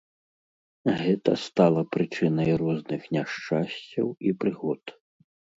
Гэта стала прычынай розных няшчасцяў і прыгод.